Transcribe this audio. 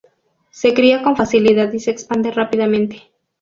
Se cría con facilidad y se expande rápidamente.